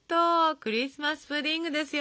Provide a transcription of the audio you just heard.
クリスマス・プディングですよ